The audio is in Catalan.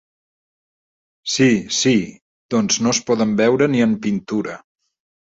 Sí, sí, doncs no es poden veure ni en pintura.